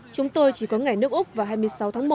chúng tôi chỉ có ngày nước úc vào hai mươi sáu tháng một